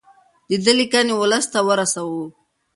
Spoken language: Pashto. د ده لیکنې ولس ته ورسوو.